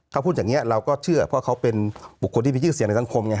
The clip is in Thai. เขาพูดอย่างนี้เราก็เชื่อเพราะเขาเป็นบุคคลที่มีชื่อเสียงในสังคมไง